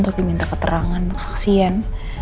tapi minta keterangan saksian